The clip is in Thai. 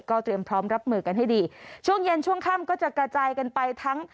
เตรียมพร้อมรับมือกันให้ดีช่วงเย็นช่วงค่ำก็จะกระจายกันไปทั้ง